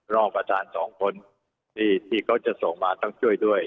รอประธานสองคนที่เขาจะส่งมาต้องช่วยด้วย